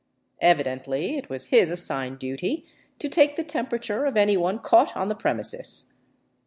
Evidently it was his assigned duty to take the temperature of anyone caught on the premises.